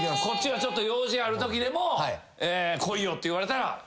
こっちがちょっと用事あるときでも「来いよ」って言われたら。